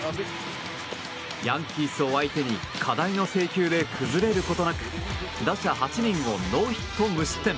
ヤンキースを相手に課題の制球で崩れることなく打者８人をノーヒット無失点。